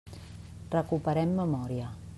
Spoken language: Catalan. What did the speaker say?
Recuperem memòria.